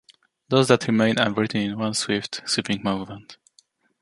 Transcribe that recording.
Those that remain are written in one swift, sweeping movement.